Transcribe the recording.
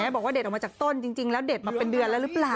บอกว่าเด็ดออกมาจากต้นจริงแล้วเด็ดมาเป็นเดือนแล้วหรือเปล่า